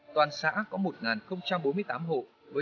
toàn xã có một bốn mươi tám hộ